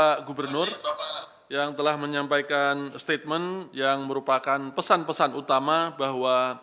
bapak gubernur yang telah menyampaikan statement yang merupakan pesan pesan utama bahwa